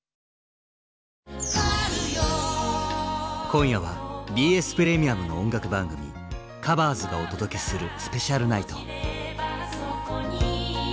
今夜は「ＢＳプレミアム」の音楽番組「ＴｈｅＣｏｖｅｒｓ」がお届けするスペシャルナイト。